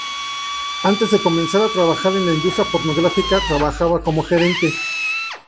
Antes de comenzar a trabajar en la industria pornográfica, trabajaba como gerente.